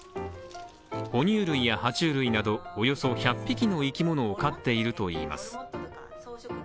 ほ乳類やは虫類など、およそ１００匹の生き物を飼っているといいます。